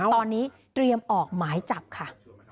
ตอนนี้เตรียมออกหมายจับค่ะ